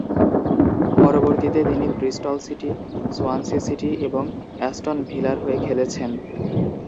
পরবর্তীতে তিনি Bristol City, Swansea City এবং অ্যাস্টন ভিলার হয়ে খেলেছেন।